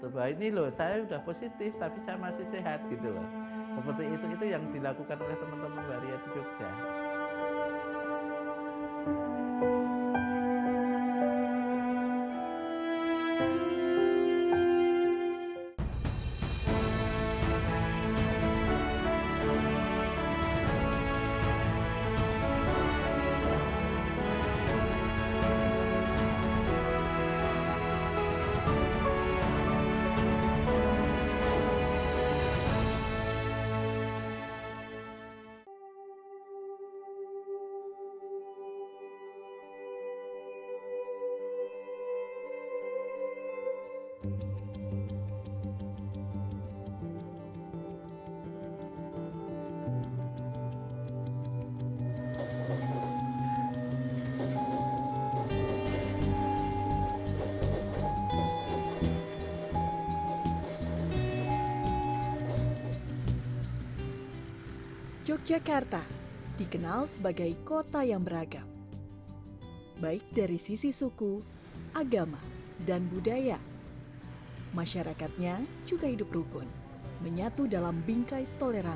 bahwa ini loh saya sudah positif tapi saya masih sehat gitu loh